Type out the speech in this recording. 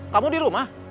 kamu di rumah